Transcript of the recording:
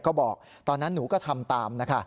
ก็บอกตอนนั้นหนูก็ทำตามนะคะ